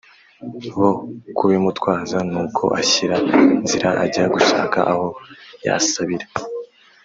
bo kubimutwaza. nuko ashyira nzira, ajya gushaka aho yasabira